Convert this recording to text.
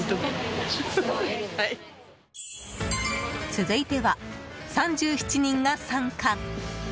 続いては３７人が参加。